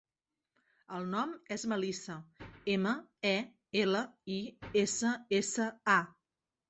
El nom és Melissa: ema, e, ela, i, essa, essa, a.